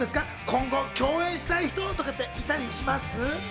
今後、共演したい人っていたりします？